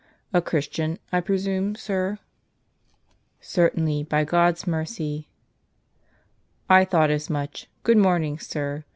A Christian, I presume, sir ?"* A. D. 303. " Certainly, by God's mercy." " I thought as much ; good morning, sir.